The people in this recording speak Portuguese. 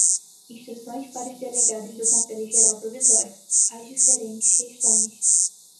Instruções para os Delegados do Conselho Geral Provisório. As Diferentes Questões